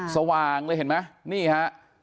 สว่างเลยเห็นไหมนี่ฮะ